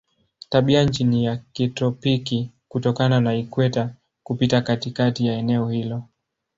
Tabianchi ni ya kitropiki kutokana na ikweta kupita katikati ya eneo hilo.